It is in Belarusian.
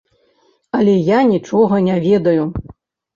Але я нічога не ведаю.